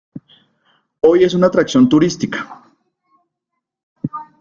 Hoy es una atracción turística.